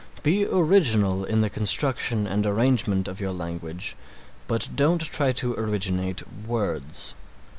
Be original in the construction and arrangement of your language, but don't try to originate words.